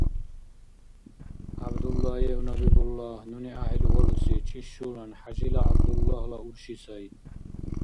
ГӀябдуллаев Набигуллагь нуни гӀяхӀил валуси чӀишулан ХӀяжила ГӀябдуллагьла урши сай.